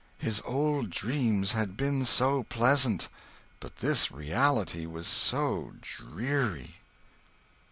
His old dreams had been so pleasant; but this reality was so dreary!